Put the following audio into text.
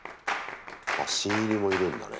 新入りもいるんだね。